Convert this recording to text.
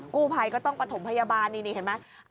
กู้ภัยก็ต้องประถมพยาบาลนี่เห็นไหม